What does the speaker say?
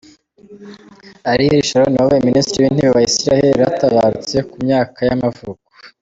Ariel Sharon, wabaye minisitiri w’intebe wa Israel yaratabarutse, ku myaka y’amavuko.